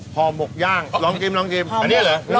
ห่อหมกย่างลองกินลองกินอันนี้เหรอ